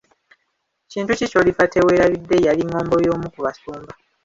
Kintu ki kyolifa teweerabidde yali ngombo y'omu ku basumba.